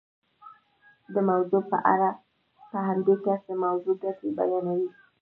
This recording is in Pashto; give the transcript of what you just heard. د موضوع په اړه په همدې کس د موضوع ګټې بیانوئ.